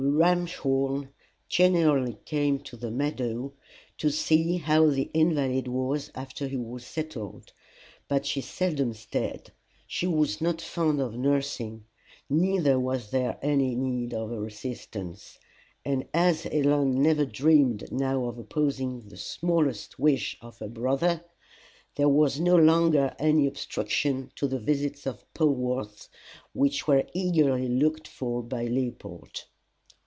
Ramshorn generally came to the meadow to see how the invalid was after he was settled, but she seldom staid: she was not fond of nursing, neither was there any need of her assistance; and as Helen never dreamed now of opposing the smallest wish of her brother, there was no longer any obstruction to the visits of Polwarth, which were eagerly looked for by Leopold.